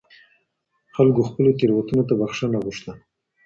خلکو خپلو تېروتنو ته بخښنه غوښته.